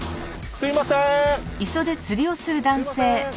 すいません！